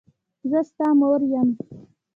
زه ستا مور یم.